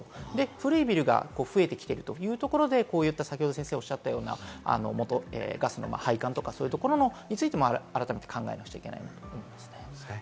古いビルが増えてきているというところで、先生がおっしゃったようなガスの配管とか、そういうところについても改めて考えなくちゃいけないなと思います。